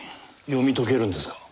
読み解けるんですか？